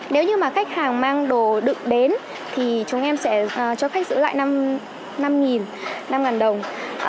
nếu như mà khách hàng mang đồ đựng đến thì chúng em sẽ cho khách giữ lại năm năm đồng